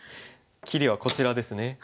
切りはこちらですね。